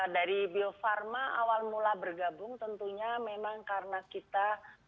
dari bio farma awal mula bergabung tentunya memang karena kita